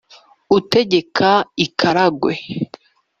Utegeka i Karagwe;